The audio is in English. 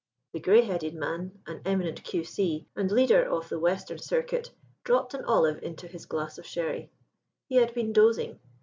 The grey headed man an eminent Q.C. and leader of the Western Circuit dropped an olive into his glass of sherry. He had been dozing.